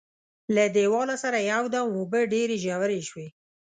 له دیواله سره یو دم اوبه ډېرې ژورې شوې.